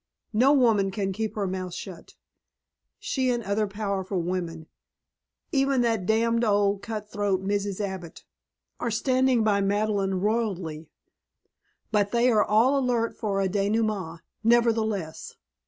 No woman can keep her mouth shut. She and other powerful women even that damned old cut throat, Mrs. Abbott are standing by Madeleine loyally, but they are all alert for a denouement nevertheless.